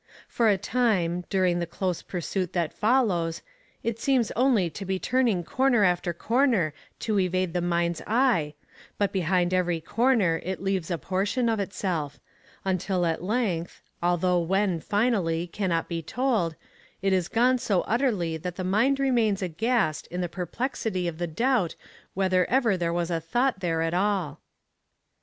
For a time, during the close pursuit that follows, it seems only to be turning corner after corner to evade the mind's eye, but behind every corner it leaves a portion of itself; until at length, although when finally cannot be told, it is gone so utterly that the mind remains aghast in the perplexity of the doubt whether ever there was a thought there at all.